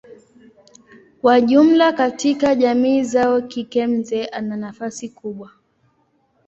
Kwa jumla katika jamii zao kike mzee ana nafasi kubwa.